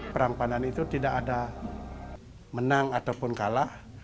perang pandan itu tidak ada menang ataupun kalah